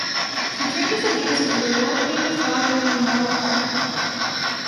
She trained as a dancer under world-famous ballerina Merle Park.